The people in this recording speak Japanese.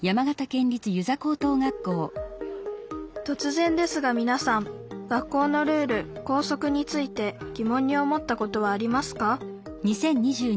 とつぜんですがみなさん学校のルール「校則」についてぎもんに思ったことはありますか？